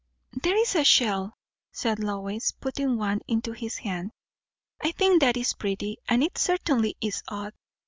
"There is a shell," said Lois, putting one into his hand. "I think that is pretty, and it certainly is odd.